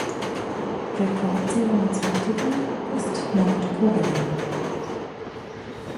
Rekordsieger mit zwei Titeln ist Nordkorea.